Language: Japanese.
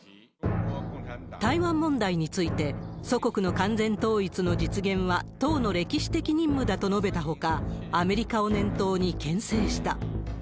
台湾問題について、祖国の完全統一の実現は、党の歴史的任務だと述べたほか、アメリカを念頭にけん制した。